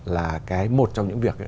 là cái một trong những việc